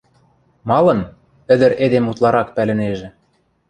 — Малын? — ӹдӹр эдем утларак пӓлӹнежӹ.